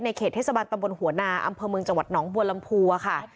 เขตเทศบาลตำบลหัวนาอำเภอเมืองจังหวัดหนองบัวลำพูค่ะ